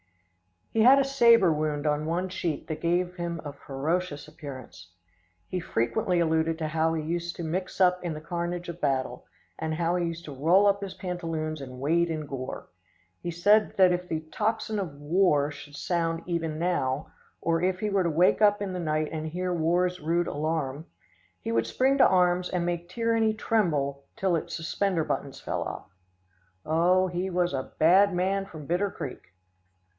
He had a sabre wound on one cheek that gave him a ferocious appearance. He frequently alluded to how he used to mix up in the carnage of battle, and how he used to roll up his pantaloons and wade in gore. He said that if the tocsin of war should sound even now, or if he were to wake up in the night and hear war's rude alarum, he would spring to arms and make tyranny tremble till its suspender buttons fell off. Oh, he was a bad man from Bitter Creek.